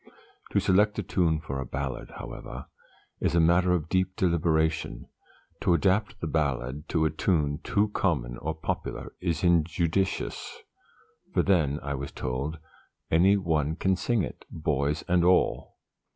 To select a tune for a ballad, however, is a matter of deep deliberation. To adapt the ballad to a tune too common or popular is injudicious; for then, I was told, any one can sing it boys and all.